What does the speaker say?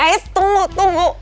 eh tunggu tunggu